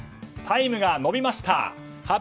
タイムが伸びました！